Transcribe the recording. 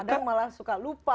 kadang malah suka lupa